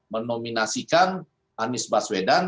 menominasikan anies baswedan